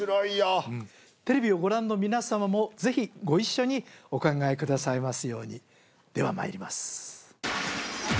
うんテレビをご覧の皆様もぜひご一緒にお考えくださいますようにではまいります